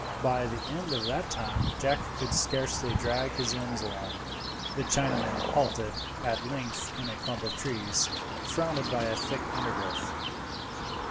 By the end of that time Jack could scarcely drag his limbs along. The Chinaman halted at length in a clump of trees, surrounded by a thick undergrowth.